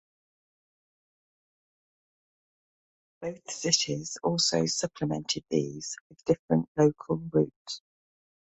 Both cities also supplemented these with different local routes.